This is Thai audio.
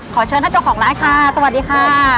เชิญท่านเจ้าของร้านค่ะสวัสดีค่ะ